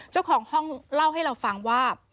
เจ้าของห้องเล่าให้เราฟังว่า